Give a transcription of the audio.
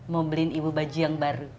mau beliin ibu baju yang baru